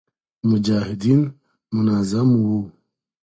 مجاهدین منظم و